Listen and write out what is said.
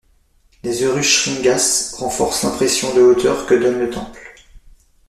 Les urushringas renforcent l'impression de hauteur que donne le temple.